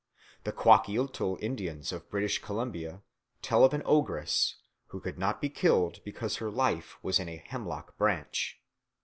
The Kwakiutl Indians of British Columbia tell of an ogress, who could not be killed because her life was in a hemlock branch.